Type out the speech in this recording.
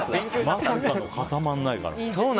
まさかの固まらないから。